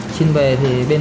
xin về thì